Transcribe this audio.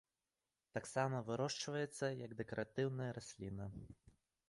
Таксама вырошчваецца як дэкаратыўная расліна.